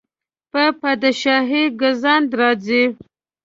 په پادشاهۍ ګزند راځي.